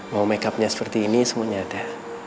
mau makeupnya seperti ini semuanya ada